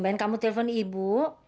lain kamu telepon ibu